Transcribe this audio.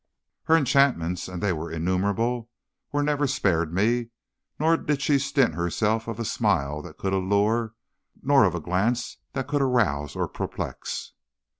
"Her enchantments, and they were innumerable, were never spared me, nor did she stint herself of a smile that could allure, nor of a glance that could arouse or perplex.